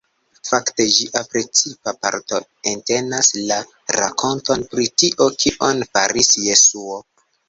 Fakte ĝia precipa parto entenas la rakonton pri tio kion faris Jesuo.